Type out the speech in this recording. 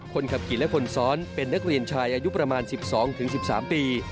คนขับขี่และคนซ้อนเป็นนักเรียนชายอายุประมาณ๑๒๑๓ปี